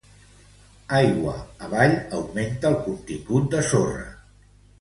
Aigua avall, augmenta el contingut de sorra.